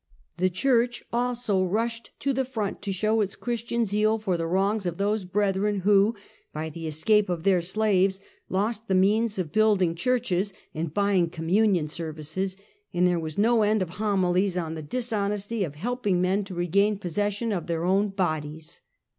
The church also rushed to the front to show its Christian zeal for the wrongs of those breth ren who, by the escape of their slaves, lost the means of building churches and buying communion services, and there was no end of homilies on the dishonesty of helping men to regain possession of their own bodies.